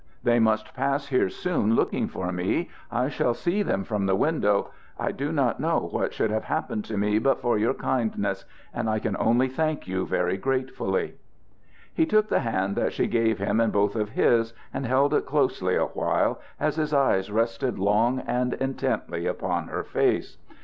They must pass here soon looking for me. I shall see them from the window. I do not know what should have happened to me but for your kindness. And I can only thank you very gratefully." He took the hand that she gave him in both of his, and held it closely a while as his eyes rested long and intently upon her face.